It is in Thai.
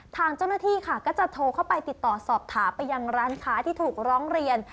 ทางเจ้าหน้าที่ค่ะก็จะโทรเข้าไปติดต่อสอบถามไปยังร้านค้าที่ถูกร้องเรียน